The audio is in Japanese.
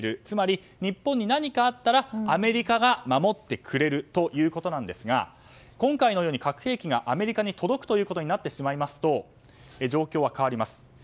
つまり、日本に何かあったらアメリカが守ってくれるということなんですが今回のように核兵器がアメリカに届くことになってしまいますと状況は変わります。